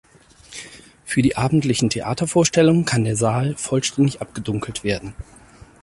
Für die abendlichen Theatervorstellungen kann der Saal vollständig abgedunkelt werden.